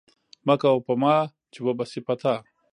مه کوه په ما، چې وبه سي په تا!